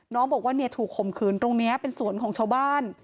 น้องบอกว่าถูกคมคืนตรงนี้เป็นสวนของชาวบ้าน